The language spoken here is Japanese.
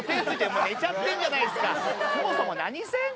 もう寝ちゃってるじゃないですか。